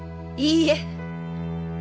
いいえ！